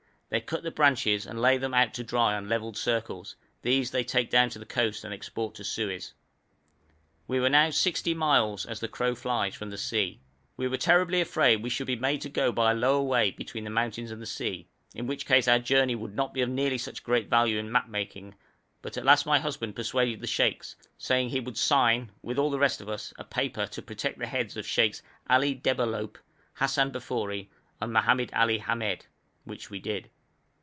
They cut the branches and lay them out to dry on levelled circles; these they take down to the coast and export to Suez. We were now sixty miles, as the crow flies, from the sea. We were terribly afraid we should be made to go by a lower way between the mountains and the sea, in which case our journey would not be of nearly such great value in map making, but at last my husband persuaded the sheikhs, saying he would sign, with all the rest of us, a paper to protect the heads of Sheikhs Ali Debalohp, Hassan Bafori, and Mohamed Ali Hamed, which we did.